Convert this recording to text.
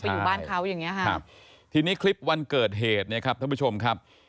อยู่บ้านเขาอย่างเงี้ฮะครับทีนี้คลิปวันเกิดเหตุเนี่ยครับท่านผู้ชมครับ